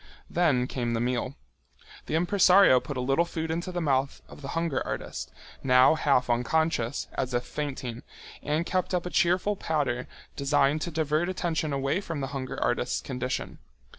Then came the meal. The impresario put a little food into mouth of the hunger artist, now half unconscious, as if fainting, and kept up a cheerful patter designed to divert attention away from the hunger artist's condition.